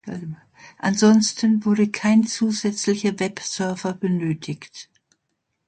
Ansonsten wurde kein zusätzlicher Webserver benötigt.